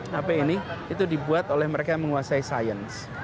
hp ini itu dibuat oleh mereka yang menguasai sains